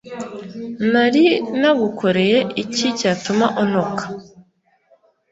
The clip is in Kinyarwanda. nari nagukoreye iki cyatuma untuka